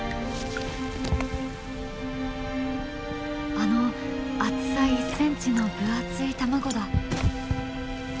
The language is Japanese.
あの厚さ１ｃｍの分厚い卵だ。